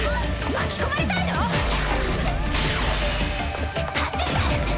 巻き込まれたいの⁉走って！